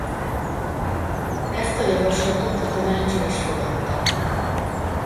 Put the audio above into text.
Ezt a javaslatot a tanács el is fogadta.